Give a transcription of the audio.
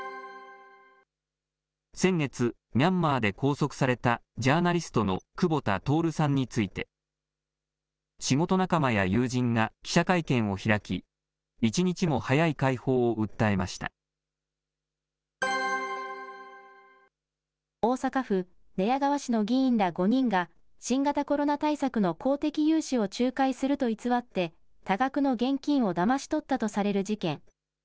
先月、ミャンマーで拘束されたジャーナリストの久保田徹さんについて、仕事仲間や友人が記者会見を開き、大阪府寝屋川市の議員ら５人が、新型コロナ対策の公的融資を仲介すると偽って、多額の現金をだまし取ったとされる事件。